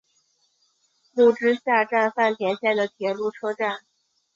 木之下站饭田线的铁路车站。